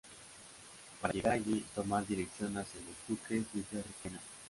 Para llegar allí, tomar dirección hacia Los Duques desde Requena.